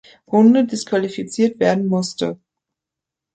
Runde disqualifiziert werden musste.